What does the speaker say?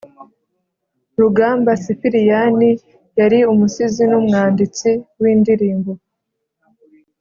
Rugamba sipiriyani yari umusizi numwanditsi windirimbo